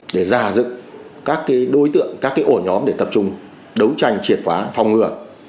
để già dựng các đối tượng các ổ nhóm để tập trung đấu tranh triệt phá phòng ngừa